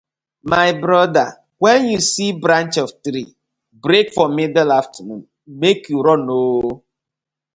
My bother wen yu see branch of tree break for middle afternoon mek yu run ooo.